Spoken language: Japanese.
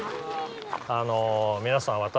あの皆さん